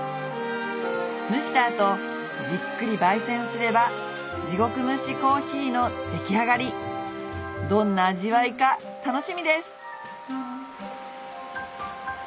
蒸した後じっくり焙煎すれば地獄蒸し珈琲の出来上がりどんな味わいか楽しみです